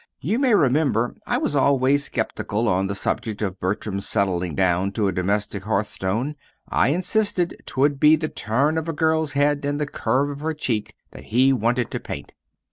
You may remember I was always skeptical on the subject of Bertram's settling down to a domestic hearthstone. I insisted 'twould be the turn of a girl's head and the curve of her cheek that he wanted to paint."